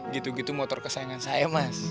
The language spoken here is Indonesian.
gitu gitu motor kesayangan saya mas